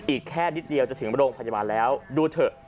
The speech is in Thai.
อีกแค่นิดเดียวจะถึงโรงพยาบาลแล้วดูเถอะ